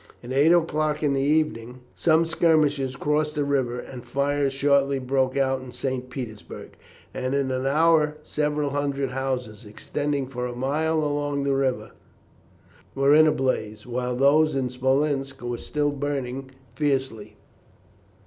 At eight o'clock in the evening some skirmishers crossed the river, and fires shortly broke out in St. Petersburg, and in an hour several hundred houses, extending for a mile along the river, were in a blaze, while those in Smolensk were still burning fiercely.